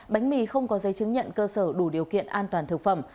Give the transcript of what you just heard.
bánh mì không có giấy chứng nhận cơ sở đủ điều kiện an toàn thực phẩm